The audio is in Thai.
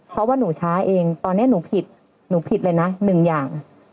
เพราะว่าหนูช้าเองตอนนี้หนูผิดหนูผิดเลยนะหนึ่งอย่าง